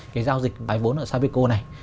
cái giao dịch bài vốn ở sapeco này